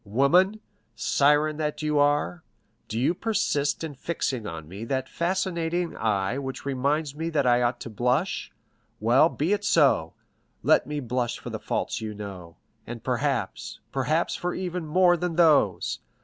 50065m "Woman, siren that you are, do you persist in fixing on me that fascinating eye, which reminds me that I ought to blush? Well, be it so; let me blush for the faults you know, and perhaps—perhaps for even more than those!